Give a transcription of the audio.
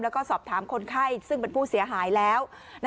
แล้วก็สอบถามคนไข้ซึ่งเป็นผู้เสียหายแล้ว